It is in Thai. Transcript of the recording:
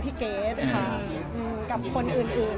พี่เกจค่ะกับคนอื่น